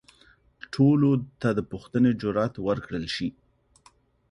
ټولو ته د پوښتنې جرئت ورکړل شي.